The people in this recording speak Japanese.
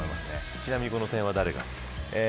ちなみにこれは誰が。